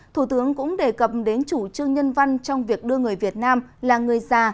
thủ tướng cũng đề cập đến chủ trương nhân văn trong việc đưa người việt nam là người già